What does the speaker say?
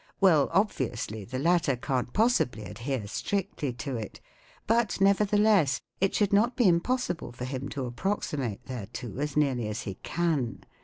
Well* obviously, the latter can't possibly adhere strictly to it; but, nevertheless, it should not be impossible for him to approximate thereto as nearly as he can.